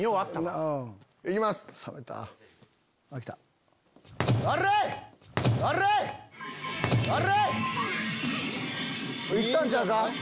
おりゃ‼行ったんちゃうか？